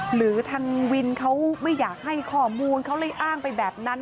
หรือทางวินเขาไม่อยากให้ข้อมูลเขาเลยอ้างไปแบบนั้น